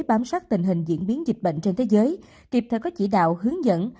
bám sát tình hình diễn biến dịch bệnh trên thế giới kịp theo các chỉ đạo hướng dẫn